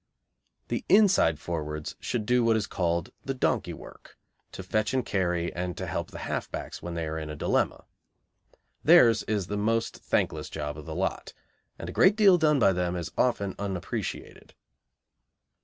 The inside forwards should do what is called "the donkey work," to fetch and carry, and to help the half backs when they are in a dilemma. Theirs is the most thankless job of the lot, and a great deal done by them is often unappreciated.